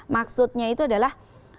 maksudnya itu adalah